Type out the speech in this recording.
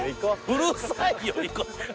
「うるさいよ行こう」